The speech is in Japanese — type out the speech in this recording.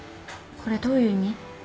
これどういう意味？